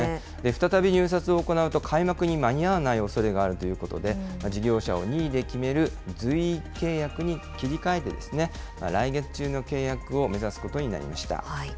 再び入札を行うと、開幕に間に合わないおそれがあるということで、事業者を任意で決める随意契約に切り替えてですね、来月中の契約を目指すことになりました。